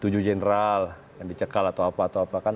tujuh jeneral yang dicekal atau apa apa kan